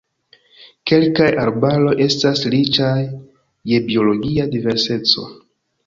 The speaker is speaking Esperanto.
Kelkaj arbaroj estas riĉaj je biologia diverseco.